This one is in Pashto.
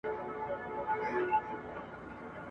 په زرګونو مي لا نور یې پوروړی !.